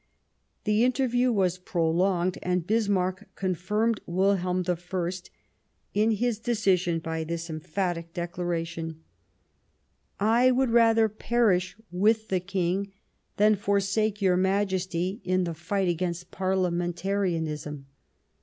The interview was prolonged, and Bismarck con firmed Wilhelm I in his decision by this emphatic declaration :" I would rather perish with the King than forsake your Majesty in the fight against parlia mentarianism."